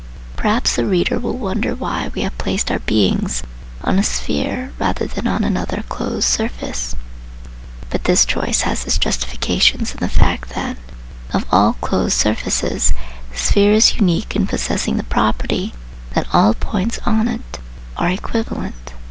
Perhaps the reader will wonder why we have placed our " beings " on a sphere rather than on another closed surface. But this choice has its justification in the fact that, of all closed surfaces, the sphere is unique in possessing the property that all points on it are equivalent.